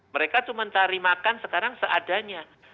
mereka cuma cari makan sekarang seadanya